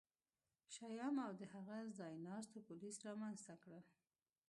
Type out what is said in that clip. شیام او د هغه ځایناستو پولیس رامنځته کړل